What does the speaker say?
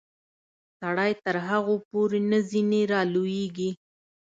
سړی تر هغو پورې نه ځینې رالویږي.